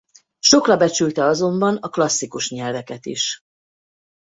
Sokra becsülte azonban a klasszikus nyelveket is.